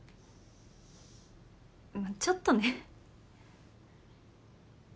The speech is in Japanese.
うんちょっとね。